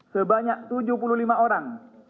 sebanyak tujuh puluh lima orang